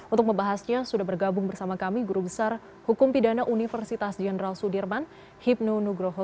untuk membahasnya sudah bergabung bersama kami guru besar hukum pidana universitas jenderal sudirman hibnu nugroho